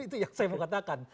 itu yang saya mau katakan